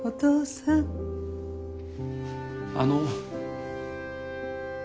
あの。